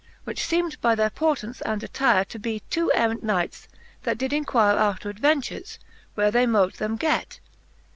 Which feemed by their portance and attire To be two errant knights, that did inquire After adventures, where they mote them get.